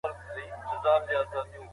واک ته رسېدل د ولس له خوښې پرته سوني نه دي.